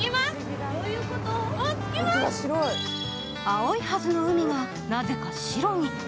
青いはずの海が、なぜか白に。